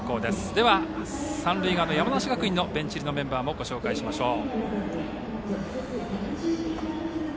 では三塁側、山梨学院のベンチ入りのメンバーもご紹介しましょう。